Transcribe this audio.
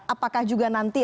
apakah juga nanti